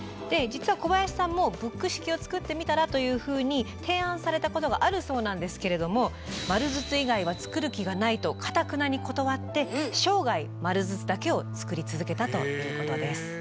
で実は小林さんもブック式を作ってみたらというふうに提案されたことがあるそうなんですけれどもとかたくなに断って生涯丸筒だけを作り続けたということです。